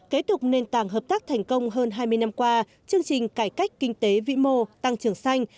kế tục nền tảng hợp tác thành công hơn hai mươi năm qua chương trình cải cách kinh tế vĩ mô tăng trưởng xanh